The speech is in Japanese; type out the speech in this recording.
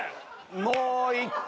もう１回！